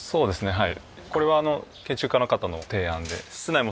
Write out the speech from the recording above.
はい。